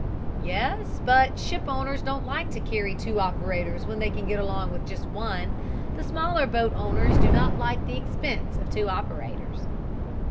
"Yes; but ship owners don't like to carry two operators when they can get along with one. The smaller boat owners do not like the expense of two operators."